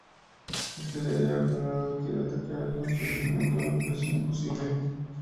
Este le habría ordenado que atacara con su regimiento una posición imposible.